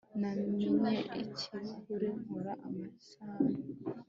Namennye ikirahure nkora amasahani